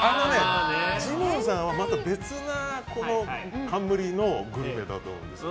ジモンさんは、また別な冠のグルメだと思うんですよ